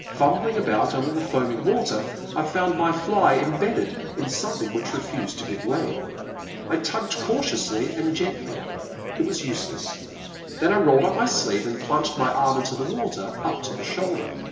Fumbling about under the foaming water I found my fly imbedded in some thing which refused to give way. I tugged cau tiously and gently ; it was useless. Then I rolled up my sleeve and plunged my arm into the water up to the shoulder.